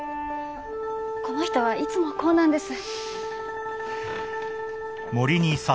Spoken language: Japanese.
この人はいつもこうなんです。